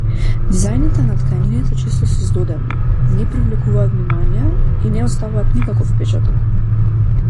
Дизајните на ткаенините често се здодевни, не привлекуваат внимание, и не оставаат никаков впечаток.